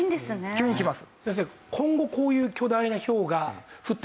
急にきます。